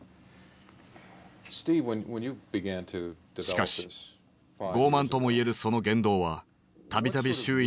しかし傲慢とも言えるその言動はたびたび周囲の反感を買った。